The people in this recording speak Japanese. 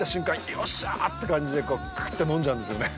よっしゃーって感じでクーっと飲んじゃうんですよね。